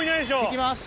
引きます。